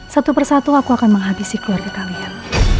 satu persatu aku akan menghabisi keluarga kalian